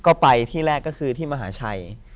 ก็ไปที่แรกก็คือที่มหาชัย